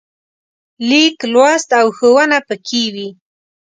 لیک لوست او ښوونه پکې وي.